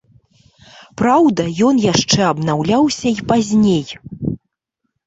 Праўда, ён яшчэ абнаўляўся і пазней.